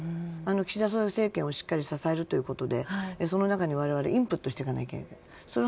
岸田政権をしっかり支えるということでその中に我々インプットしていかなければならない。